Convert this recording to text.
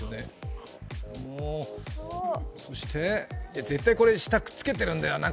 そして絶対これ、下くっつけてるんだよな